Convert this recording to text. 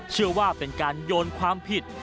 เชื่อว่าเป็นการโยนความผิด